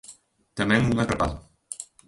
Tamén un atrapado.